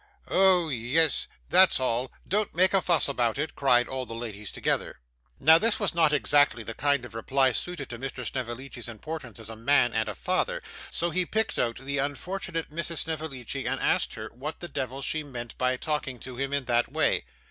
'Oh yes, that's all. Don't make a fuss about it,' cried all the ladies together. Now this was not exactly the kind of reply suited to Mr. Snevellicci's importance as a man and a father, so he picked out the unfortunate Mrs Snevellicci, and asked her what the devil she meant by talking to him in that way.